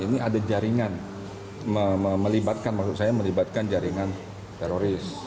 ini ada jaringan melibatkan maksud saya melibatkan jaringan teroris